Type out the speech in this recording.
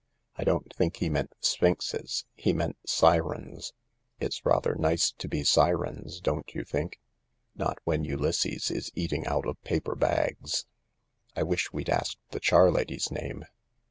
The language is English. " I don't think he meant sphinxes. He meant sirens. It's rather nice to be sirens, don't you think ?" "Not when mysses is eating out of paper bags." " I wish we'd asked the charlady's name."